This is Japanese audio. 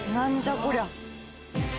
こりゃ！